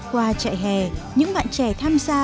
qua trại hè những bạn trẻ tham gia